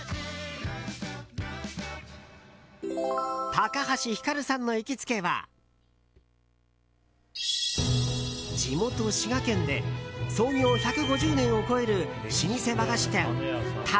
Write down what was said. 高橋ひかるさんの行きつけは地元・滋賀県で創業１５０年を超える老舗和菓子店た